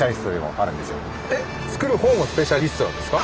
⁉作る方もスペシャリストなんですか？